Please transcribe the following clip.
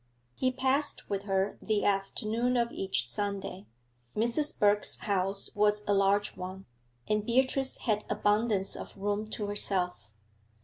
He passed with her the afternoon of each Sunday. Mrs. Birks' house was a large one, and Beatrice had abundance of room to herself.